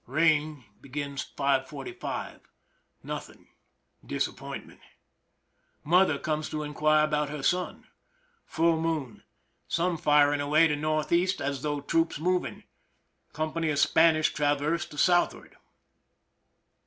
Rain begins 5 : 45. Nothing [disappointment]. Mother comes to inquire about her son. FuLl moon. Some firing away to N. E., as though troops moving. Company of Spanish traverse to Sd.